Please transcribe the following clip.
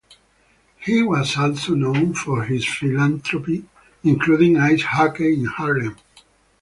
He was also known for his philanthropy, including Ice Hockey in Harlem.